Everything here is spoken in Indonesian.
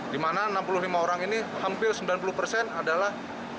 di mana enam puluh lima orang ini hampir sembilan puluh persen adalah